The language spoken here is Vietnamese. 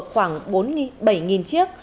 khoảng bốn mươi bảy chiếc